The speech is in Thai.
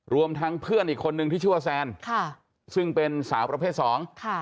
รวมทั้งเพื่อนอีกคนนึงที่ชื่อว่าแซนค่ะซึ่งเป็นสาวประเภทสองค่ะ